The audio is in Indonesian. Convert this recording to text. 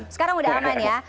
sekarang udah aman ya